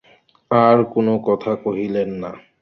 আর কোনো কথা কহিলেন না।